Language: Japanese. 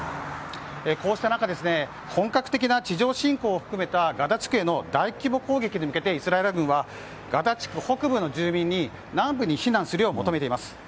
こうした中本格的な地上侵攻を含めたガザ地区への大規模攻撃に向けてイスラエル軍はガザ地区北部の住民に南部に避難するよう求めています。